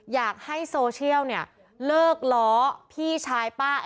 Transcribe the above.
อยากให้โซเชียลเนี่ยเลิกล้อพี่ชายป้า